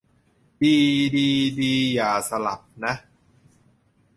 ดีดีดี อย่าสลับ นะ